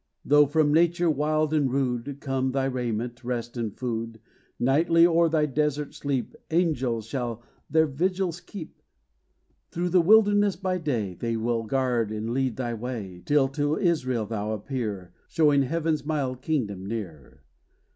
Though, from nature wild and rude, Come thy raiment, rest, and food, Nightly o'er thy desert sleep, Angels shall their vigils keep; Through the wilderness by day, They will guard and lead the way; Till to Israel thou appear, Showing heaven's mild kingdom near.